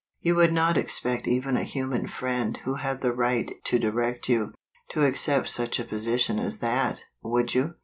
You would not expect even a human friend who had the right to direct you, to accept such a position as that, would you